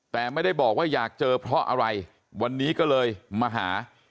แต่ไม่ได้บอกว่าอยากเจอเพราะอะไรวันนี้ก็เลยมาหา